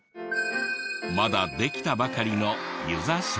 まだできたばかりの遊佐小学校。